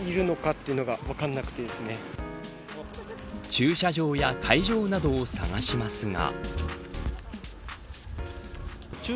駐車場や会場などを探しますが。